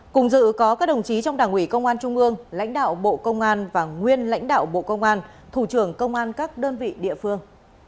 cùng dự có các đồng chí trong đảng ủy công an trung ương lãnh đạo bộ công an và nguyên lãnh đạo bộ công an thủ trưởng công an các đơn vị địa phương